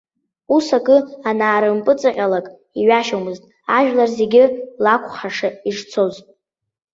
Ус акы анаарымпыҵҟьалак, иҩашьомызт ажәлар зегьы лақәхәаша ишцоз.